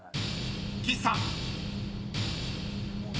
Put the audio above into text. ［岸さん］